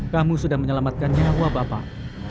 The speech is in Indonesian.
kamu sudah menyelamatkan nyawa bapak